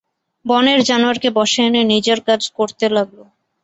বনের জানোয়ারকে বশে এনে নিজের কাজ করতে লাগল।